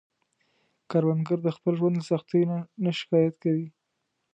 کروندګر د خپل ژوند له سختیو نه نه شکايت کوي